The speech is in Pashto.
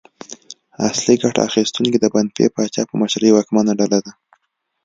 اصلي ګټه اخیستونکي د پنبې پاچا په مشرۍ واکمنه ډله ده.